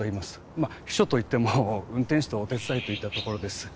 まあ秘書といっても運転手とお手伝いといったところです